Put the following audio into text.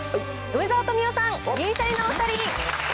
梅沢富美男さん、銀シャリのお２人。